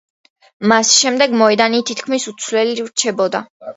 მას შემდეგ მოედანი თითქმის უცვლელი რჩებოდა.